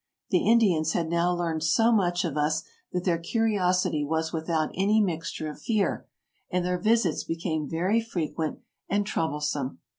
The Indians had now learned so much of us that their curiosity was without any mixture of fear, and their visits became very frequent and troublesome.